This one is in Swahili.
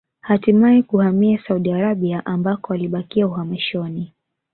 Hatimae kuhamia Saudi Arabia ambako alibakia uhamishoni